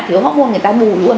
thứ hormôn người ta bù luôn